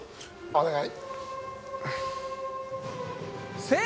お願い！